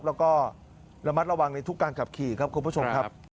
แล้วก็ระมัดระวังในทุกการขับขี่ครับคุณผู้ชมครับ